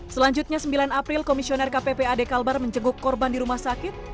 selanjutnya sembilan april komisioner kppad kalbar menjenguk korban di rumah sakit